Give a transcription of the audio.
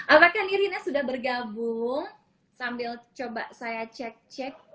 apakah nirina sudah bergabung sambil coba saya cek cek